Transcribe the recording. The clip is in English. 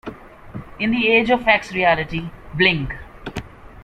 In the "Age of X" reality, Bling!